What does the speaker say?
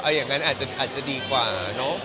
เอาอย่างนั้นอาจจะดีกว่า